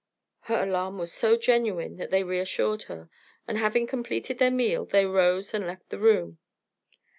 Her alarm was so genuine that they reassured her; and having completed their meal, they rose and left the room.